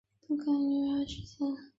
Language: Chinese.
彭抗以其女胜娘嫁许逊之子。